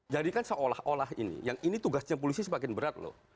jadi kan seolah olah ini yang ini tugasnya polisi semakin berat lho